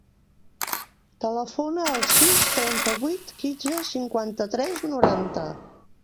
Telefona al sis, trenta-vuit, quinze, cinquanta-tres, noranta.